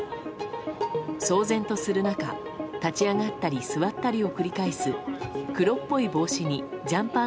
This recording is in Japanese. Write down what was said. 騒然とする中、立ち上がったり座ったりを繰り返す黒っぽい帽子にジャンパー